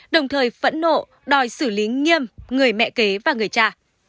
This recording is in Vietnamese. đồng thời phẫn nộ đòi xử lý nghiêm người mẹ kế và người cha